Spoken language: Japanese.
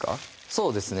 そうですね